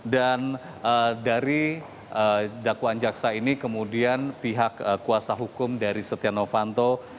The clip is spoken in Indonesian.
dan dari dakwaan jaksa ini kemudian pihak kuasa hukum dari setia novanto